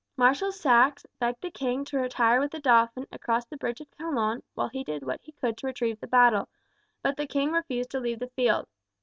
Marshal Saxe begged the king to retire with the dauphin across the bridge of Calonne while he did what he could to retrieve the battle, but the king refused to leave the field.